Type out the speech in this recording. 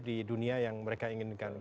di dunia yang mereka inginkan